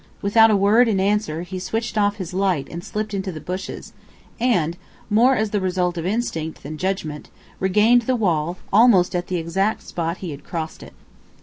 Without a word in answer, he switched off his light and slipped into the bushes, and, more as the result of instinct than judgment, regained the wall, at almost the exact spot he had crossed it.